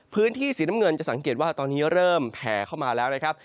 พื้นที่สีน้ำเงินจะสังเกตว่าตอนนี้เริ่มแผ่เข้ามาแล้วนะครับ